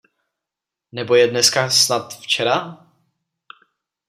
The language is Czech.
Nebo je dneska snad včera?